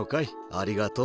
ありがとう。